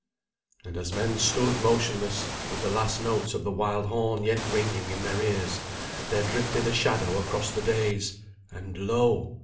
And as men stood motionless, with the last notes of the wild horn yet ringing in their ears, there drifted a shadow across the days, and, lo!